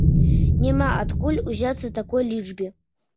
Няма адкуль узяцца такой лічбе.